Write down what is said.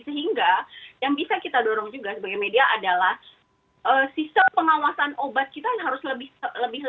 sehingga yang bisa kita dorong juga sebagai media adalah sistem pengawasan obat kita harus lebih